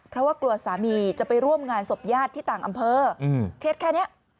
เพราะว่ากลัวสามีจะไปร่วมงานศพญาติที่ต่างอำเภอเครียดแค่นี้